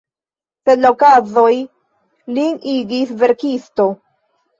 Sed la okazoj lin igis verkisto.